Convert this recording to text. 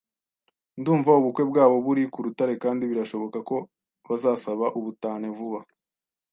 Ndumva ubukwe bwabo buri ku rutare kandi birashoboka ko bazasaba ubutane vuba.